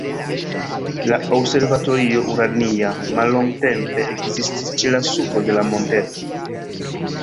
La Observatorio Urania mallongtempe ekzistis ĉe la supro de la monteto.